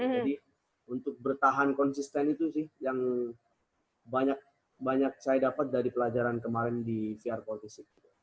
jadi untuk bertahan konsisten itu sih yang banyak banyak saya dapat dari pelajaran kemarin di vr politisik